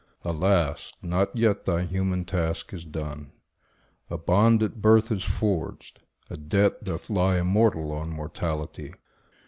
Alas, not yet thy human task is done! A bond at birth is forged; a debt doth lie Immortal on mortality.